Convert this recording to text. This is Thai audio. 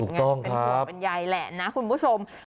ถูกต้องครับเป็นหัวบรรยายแหละนะคุณผู้ชม